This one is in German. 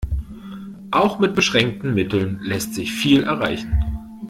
Auch mit beschränkten Mitteln lässt sich viel erreichen.